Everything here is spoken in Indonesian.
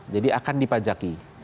jadi akan dipajaki